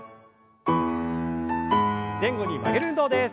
前後に曲げる運動です。